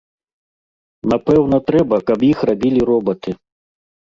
Напэўна, трэба, каб іх рабілі робаты.